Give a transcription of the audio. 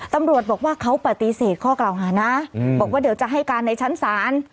ตำรวจบอกว่าเขาปฏิเสธข้อกล่าวหานะบอกว่าเดี๋ยวจะให้การในชั้นศาล